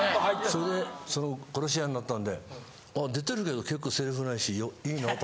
それでその殺し屋になったんで出てるけど結構セリフ無いし良いなと。